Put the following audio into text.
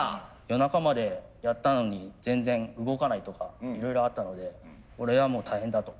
夜中までやったのに全然動かないとかいろいろあったのでこれはもう大変だと。